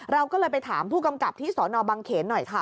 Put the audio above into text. เราก็เลยไปถามผู้กำกับที่สนบังเขนหน่อยค่ะ